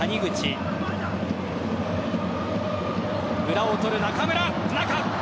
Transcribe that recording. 裏を取る、中村、中。